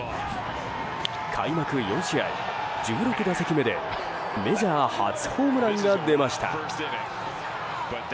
開幕４試合１６打席目でメジャー初ホームランが出ました。